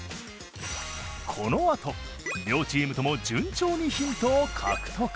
このあと両チームとも順調にヒントを獲得。